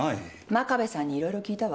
真壁さんにいろいろ聞いたわ。